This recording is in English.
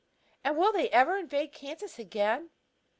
"And will they ever evade Kansas again?"